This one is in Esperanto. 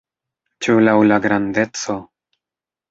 Ĉu laŭ la grandeco?